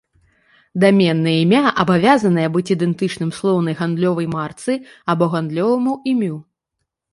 Даменнае імя абавязанае быць ідэнтычным слоўнай гандлёвай марцы або гандлёваму імю.